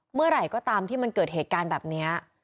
เมื่อไหร่ก็ตามที่มันเกิดเหตุการณ์แบบนี้